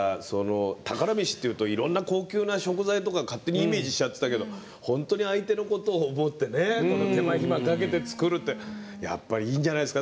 宝メシっていうといろんな高級な食材とか勝手にイメージしちゃってたけど本当に相手のことを思うって手間ひまかけて作るってやっぱりいいんじゃないですか。